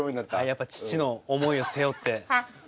やっぱり父の思いを背負って。